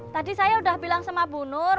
tadi saya udah bilang sama bunur